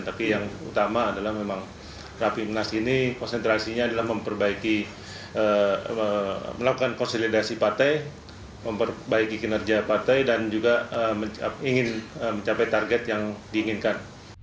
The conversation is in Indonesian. tapi yang utama adalah memang rapimnas ini konsentrasinya adalah memperbaiki melakukan konsolidasi partai memperbaiki kinerja partai dan juga ingin mencapai target yang diinginkan